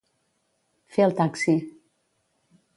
Fer el taxi.